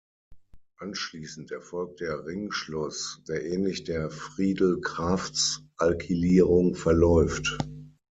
Anschließend erfolgt der Ringschluss, der ähnlich der Friedel-Crafts-Alkylierung verläuft.